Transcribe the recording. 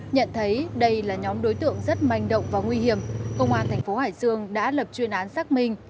nhận thấy đây là nhóm đối tượng rất manh động và nguy hiểm công an thành phố hải dương đã lập chuyên án xác minh